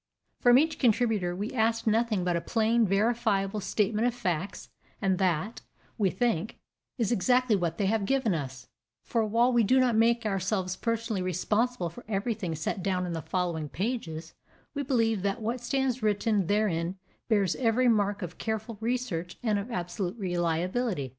From each contributor we asked nothing but a plain verifiable statement of facts, and that, we think, is exactly what they have given us, for, while we do not make ourselves personally responsible for everything set down in the following pages, we believe that what stands written therein bears every mark of careful research and of absolute reliability.